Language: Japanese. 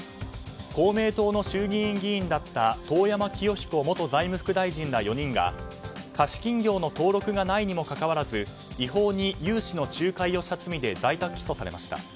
公明党の衆議院議員だった遠山清彦元財務副大臣ら４人は貸金業の登録がないにもかかわらず違法に融資の仲介をした罪で在宅起訴されました。